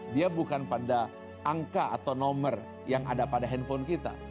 dia bukan pada angka atau nomor yang ada pada handphone kita